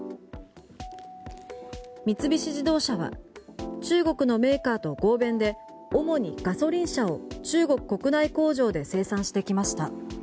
三菱自動車は中国のメーカーと合弁で主にガソリン車を中国国内工場で生産してきました。